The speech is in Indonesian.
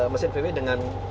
mesin vw dengan